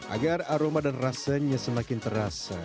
agar aroma dan rasanya semakin terasa